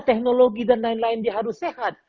teknologi dan lain lain dia harus sehat